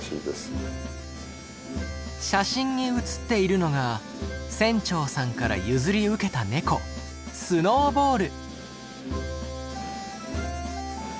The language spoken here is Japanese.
写真に写っているのが船長さんから譲り受けたネコスノーボール。